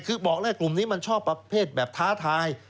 คือบอกเลยกลุ่มนี้มันชอบประเภทแบบท้าทาย